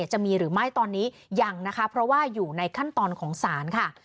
จะมีหรือไม่ตอนนี้ยังนะคะเพราะว่าอยู่ในขั้นตอนของศาลค่ะ